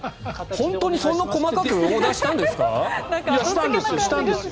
本当にそんな細かくオーダーしたんですか？